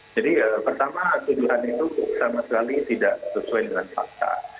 jadi pertama tuduhan itu sama sekali tidak sesuai dengan fakta